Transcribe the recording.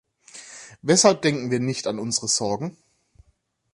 Weshalb denken wir nicht an unsere Sorgen?